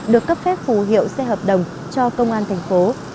được cấp phép phù hiệu xe hợp đồng cho công an thành phố